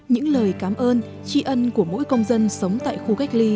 những lời cảm ơn tri ân của mỗi công dân sống tại khu cách ly